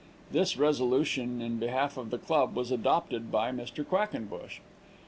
This resolution in behalf of the club was adopted by Mr. Quackenbush.